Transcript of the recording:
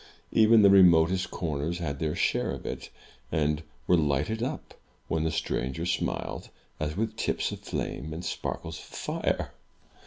Even the remotest comers had their share of it, and were lighted up, when the stranger smiled, as with tips of flame and sparkles of fire.